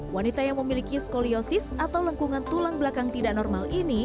wanita yang memiliki skoliosis atau lengkungan tulang belakang tidak normal ini